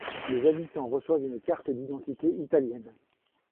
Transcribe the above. Les habitants reçoivent une carte d'identité italienne.